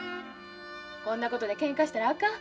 こんなことでけんかしたらあかん。